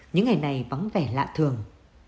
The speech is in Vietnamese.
những ngày này vắng vẻ lạ thường